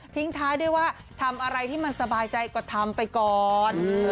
ท้ายด้วยว่าทำอะไรที่มันสบายใจก็ทำไปก่อน